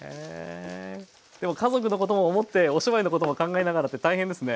でも家族のことを思ってお芝居のことも考えながらって大変ですね。